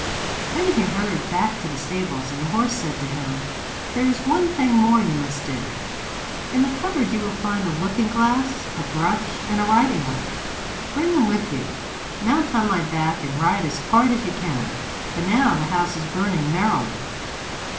Then he hurried back to the stables, and the horse said to him: 'There is one thing more you must do. In the cupboard you will find a looking glass, a brush and a riding whip. Bring them with you, mount on my back, and ride as hard as you can, for now the house is burning merrily.